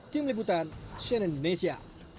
tim liputan siena indonesia